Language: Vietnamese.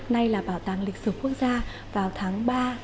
nay là bảo tàng lịch sử quốc gia vào tháng ba